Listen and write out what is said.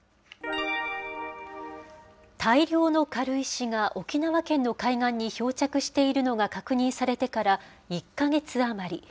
大量の軽石が沖縄県の海岸に漂着しているのが確認されてから１か月余り。